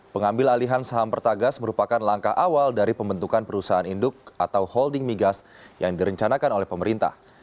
pengambil alihan saham pertagas merupakan langkah awal dari pembentukan perusahaan induk atau holding migas yang direncanakan oleh pemerintah